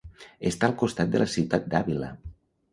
Està al costat de la ciutat d'Àvila.